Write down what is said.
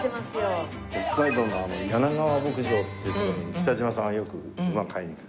北海道のヤナガワ牧場っていうところに北島さんがよく馬を買いに行く。